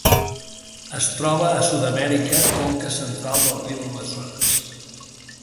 Es troba a Sud-amèrica: conca central del riu Amazones.